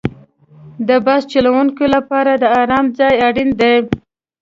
د بس چلوونکي لپاره د آرام ځای اړین دی.